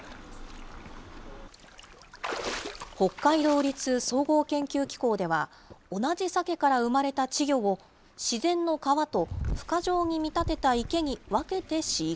北海道立総合研究機構では、同じサケから生まれた稚魚を、自然の川とふ化場に見立てた池に分けて飼育。